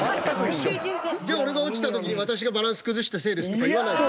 じゃあ俺が落ちた時に「私がバランス崩したせいです」とか言わないと。